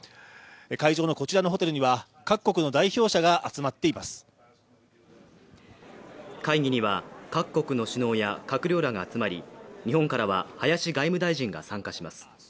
会場のこちらのホテルには各国の代表者が集まっています会議には各国の首脳や閣僚らが集まり日本からは林外務大臣が参加します